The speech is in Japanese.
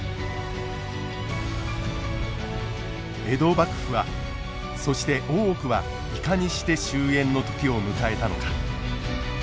江戸幕府はそして大奥はいかにして終えんの時を迎えたのか。